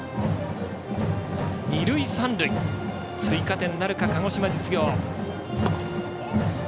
二塁三塁、追加点なるか鹿児島実業。